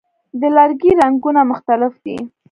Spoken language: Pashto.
د لرګي رنګونه مختلف دي.